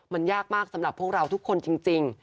มันยากมากสำหรับพวกเราทุกคนจริง